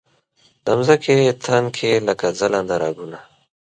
د مځکې تن کې لکه ځلنده رګونه